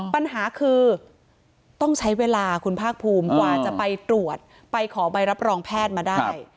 ปัญหาคือต้องใช้เวลาคุณภาคภูมิกว่าจะไปตรวจไปขอใบรับรองแพทย์มาได้